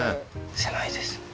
狭いです。